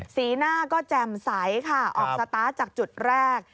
สีหน้าก็แจ่มใสค่ะออกสตาร์ทจากจุดแรก